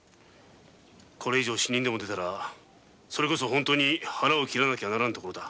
これ以上死人でも出たらそれこそ本当に腹をきらなきゃならんところだ。